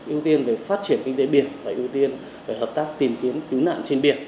ưu tiên về phát triển kinh tế biển và ưu tiên về hợp tác tìm kiếm cứu nạn trên biển